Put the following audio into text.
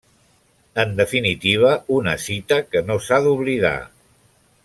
En definitiva, una cita que no s'ha d'oblidar.